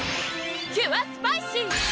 キュアスパイシー！